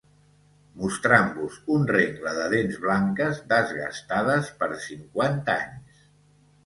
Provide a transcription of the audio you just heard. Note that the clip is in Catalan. mostrant-vos un rengle de dents blanques, desgastades per cinquanta anys